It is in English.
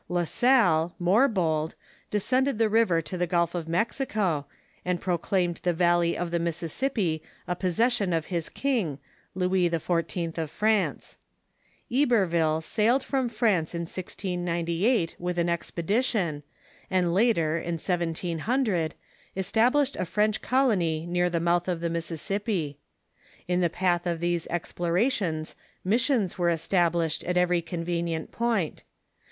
La Salle, more bold, descended the river to the Gulf of Mexico, and proclaimed the valley of the Mississippi a possession of his king, Louis XIV. of France. Iberville sailed from France in 1698 with an expedition, and later, in 1700, established a French colony near the mouth of the Mississippi. In the path of these explorations missions were established at every con venient point.